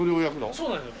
そうなんですよ。